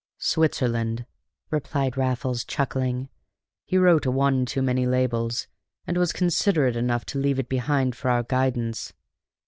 "Switzerland," replied Raffles, chuckling; "he wrote one too many labels, and was considerate enough to leave it behind for our guidance.